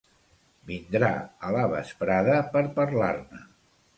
Vindrà a la vesprada per parlar-ne.